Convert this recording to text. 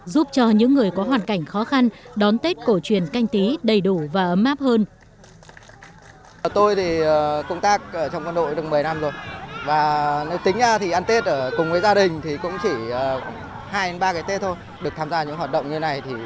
giúp cho những người có hoàn cảnh khó khăn đón tết cổ truyền canh tí đầy đủ và ấm áp hơn